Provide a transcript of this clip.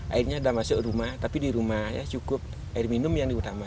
airnya sudah masuk rumah tapi di rumah ya cukup air minum yang diutamakan